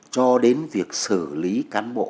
cho đến việc xử lý cán bộ